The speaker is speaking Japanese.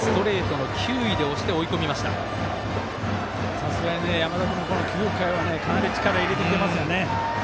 さすがに山田君も９回はかなり力、入れてきてますね。